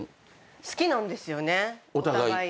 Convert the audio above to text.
好きなんですよねお互い。